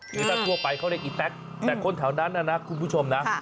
คือถ้าทั่วไปเขาเรียกอีแต๊กแต่คนแถวนั้นนะคุณผู้ชมนะ